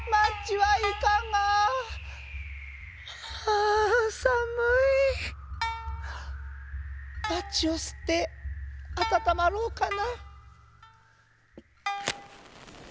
あぁさむい。マッチをすってあたたまろうかな。